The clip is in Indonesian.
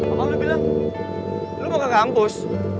apa lo bilang lo mau ke kampus